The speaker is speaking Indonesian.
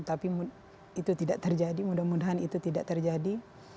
tapi itu tidak terjadi mudah mudahan itu tidak terjadi